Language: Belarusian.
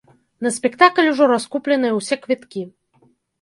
На спектакль ужо раскупленыя ўсе квіткі.